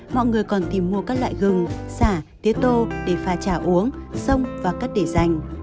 mọi người còn tìm mua các loại gừng xả tiết tô để pha chả uống xông và cắt để dành